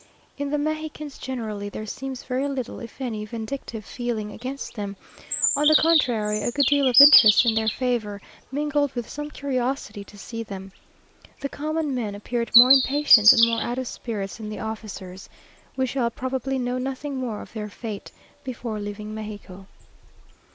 In the Mexicans generally, there seems very little if any vindictive feeling against them; on the contrary, a good deal of interest in their favour, mingled with some curiosity to see them. The common men appeared more impatient and more out of spirits than the officers. We shall probably know nothing more of their fate, before leaving Mexico.